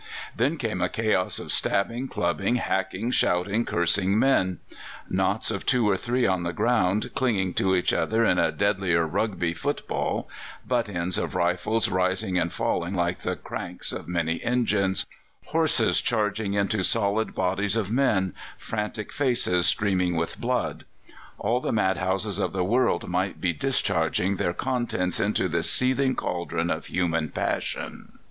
Then came a chaos of stabbing, clubbing, hacking, shouting, cursing men: knots of two or three on the ground, clinging to each other in a deadlier Rugby football; butt ends of rifles rising and falling like the cranks of many engines; horses charging into solid bodies of men; frantic faces streaming with blood. All the mad houses of the world might be discharging their contents into this seething caldron of human passion.